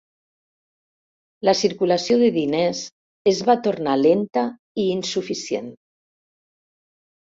La circulació de diners es va tornar lenta i insuficient.